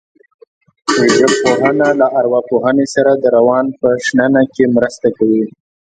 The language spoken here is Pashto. ژبپوهنه له ارواپوهنې سره د روان په شننه کې مرسته کوي